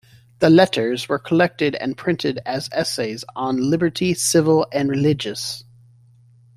The "Letters" were collected and printed as "Essays on Liberty, Civil and Religious".